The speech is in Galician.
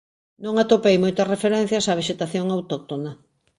Non atopei moitas referencias á vexetación autóctona